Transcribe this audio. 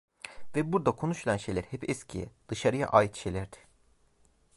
Ve burada konuşulan şeyler hep eskiye, dışarıya ait şeylerdi.